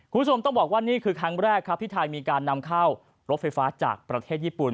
คุณผู้ชมต้องบอกว่านี่คือครั้งแรกครับที่ไทยมีการนำเข้ารถไฟฟ้าจากประเทศญี่ปุ่น